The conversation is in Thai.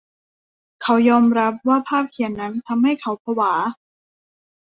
เขายอมรับว่าภาพเขียนนั้นทำให้เขาผวา